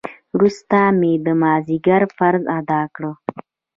وروسته مې د مازديګر فرض ادا کړ.